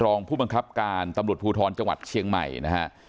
รองผู้บังคับการตำรวจภูทรจังหวัดเชียงใหม่นะฮะ